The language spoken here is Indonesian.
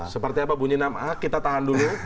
seperti apa bunyi enam a kita tahan dulu